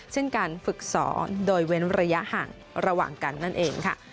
เช่นการฝึกสอนโดยเว้นระยะห่างระหว่างกันนั่นเองค่ะ